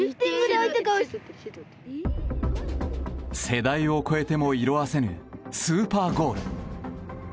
世代を超えても色あせぬスーパーゴール。